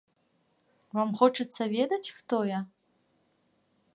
Вам хочацца ведаць, хто я?